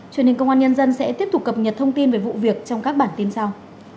truyền hình công an nhân dân sẽ tiếp tục cập nhật thông tin về vụ việc trong các bản tin sau